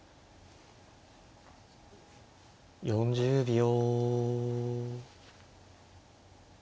４０秒。